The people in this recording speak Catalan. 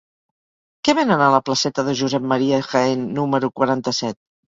Què venen a la placeta de Josep Ma. Jaén número quaranta-set?